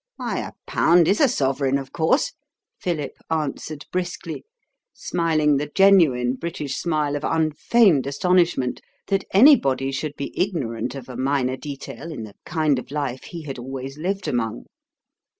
"Why, a pound IS a sovereign, of course," Philip answered briskly, smiling the genuine British smile of unfeigned astonishment that anybody should be ignorant of a minor detail in the kind of life he had always lived among.